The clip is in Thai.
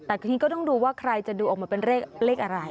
แต่ทีนี้ก็ต้องดูว่าใครจะดูออกมาเป็นเลขอะไร